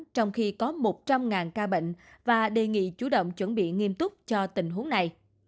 trong khi có một trăm linh ca bệnh và đề nghị chủ động chuẩn bị nghiêm túc cho tình huống này